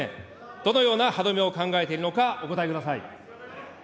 どのような歯止めを考えているのか、お答えください。